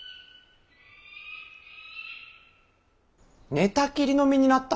・寝たきりの身になった。